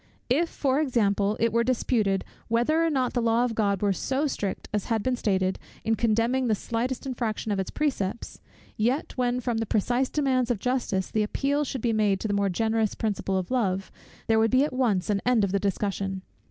If, for example, it were disputed, whether or not the law of God were so strict as had been stated, in condemning the slightest infraction of its precepts; yet, when, from the precise demands of justice, the appeal should be made to the more generous principle of love, there would be at once an end of the discussion.